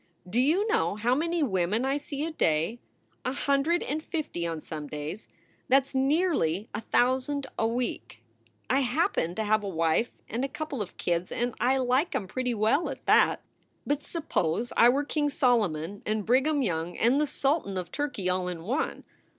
Do you know how many women I see a day a hundred and fifty on some days; that s nearly a thousand a week. I happen to have a wife and a couple of kids and I like em pretty well at that. But suppose I were King Solomon and Brigham Young and the Sultan of Turkey all in one.